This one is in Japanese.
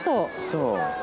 そう。